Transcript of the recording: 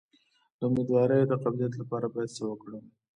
د امیدوارۍ د قبضیت لپاره باید څه وکړم؟